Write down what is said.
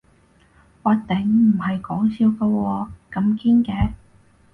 嘩頂，唔係講笑㗎喎，咁堅嘅